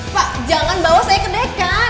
pak jangan bawa saya kedekan